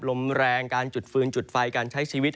ลมแรงการจุดฟืนจุดไฟการใช้ชีวิต